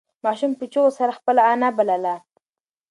ماشوم په چیغو سره خپله انا بلله.